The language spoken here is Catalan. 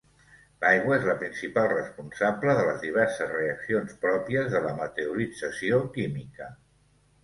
L’aigua és la principal responsable de les diverses reaccions pròpies de la meteorització química.